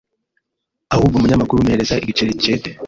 ahubwo munyamakuru mpereza igiceri nshete